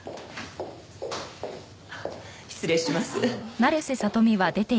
失礼します。